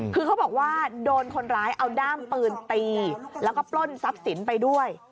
คือเขาบอกว่าโดนคนร้ายเอาด้ามปืนตีแล้วก็ปล้นทรัพย์สินไปด้วย